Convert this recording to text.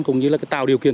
cũng như là tạo điều kiện